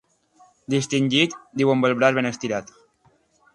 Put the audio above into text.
Distingit —diu amb el braç ben estirat.